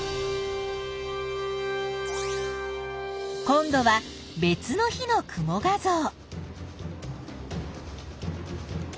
今度は別の日の雲画像。